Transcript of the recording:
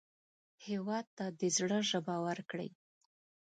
هېواد ته د زړه ژبه ورکړئ